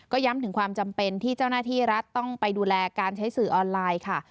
ก็ย้ำถึงความจำเป็นที่เจ้าหน้าที่รัฐต้องไปดูแลการใช้สื่อออนไลน์ค่ะ